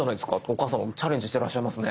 お母さんチャレンジしてらっしゃいますね。